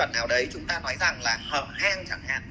là hở hang chẳng hạn